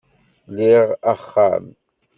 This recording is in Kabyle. Liɣ axxam